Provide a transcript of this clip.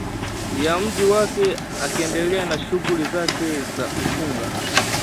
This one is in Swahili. ya mji wake akiendelea na shuguli zake za ukunga